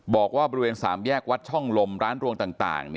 บอกว่าบริเวณ๓แยกวัดช่องลมร้านรวงต่าง